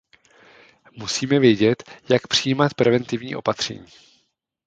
Musíme vědět, jak přijímat preventivní opatření.